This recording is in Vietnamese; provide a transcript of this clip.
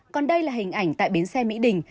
còn đây là hình ảnh tại bến xe mỹ đình